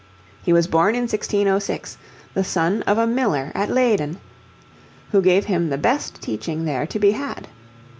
He was born in 1606, the son of a miller at Leyden, who gave him the best teaching there to be had.